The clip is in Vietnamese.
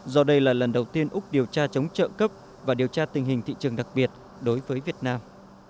do đây là lần đầu tiên úc điều tra chống trợ cấp và điều tra tình hình thị trường đặc biệt đối với việt nam